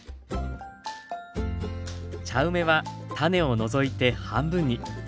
茶梅は種を除いて半分に。